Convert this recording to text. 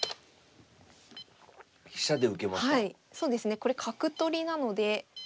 これ角取りなので。